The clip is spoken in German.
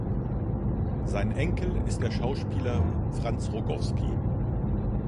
Sein Enkel ist der Schauspieler Franz Rogowski.